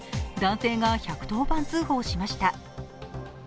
男性が１１０番通報しました。